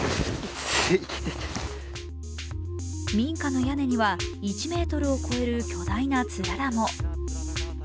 民家の屋根には１ｍを超える巨大なつららも。